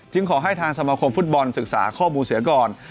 ขอให้ทางสมาคมฟุตบอลศึกษาข้อมูลเสียก่อน